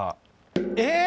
えっ！？